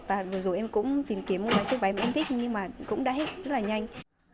và vừa rồi em cũng tìm kiếm mua ba chiếc váy mà em thích nhưng mà cũng đã hết rất là nhanh